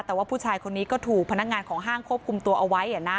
แต่ว่าผู้ชายคนนี้ก็ถูกพนักงานของห้างควบคุมตัวเอาไว้